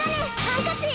ハンカチ！